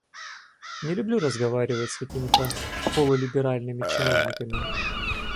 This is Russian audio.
Не люблю разговаривать с какими-то полулиберальными чиновниками.